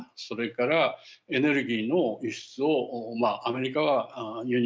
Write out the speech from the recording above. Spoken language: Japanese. それからエネルギーの輸出をアメリカは輸入を禁止にする。